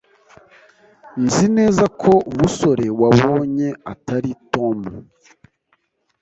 Nzi neza ko umusore wabonye atari Tom.